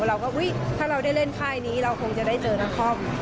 เราก็อุ๊ยถ้าเราได้เล่นค่ายนี้เราคงจะได้เจอนคร